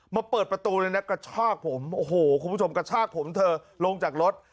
เปิดประตูเลยนะกระชากผมโอ้โหคุณผู้ชมกระชากผมเธอลงจากรถ